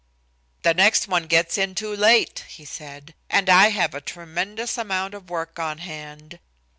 "The next one gets in too late," he said, "and I have a tremendous amount of work on hand."